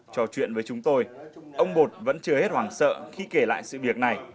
trò chuyện với chúng tôi ông bột vẫn chưa hết hoảng sợ khi kể lại sự việc này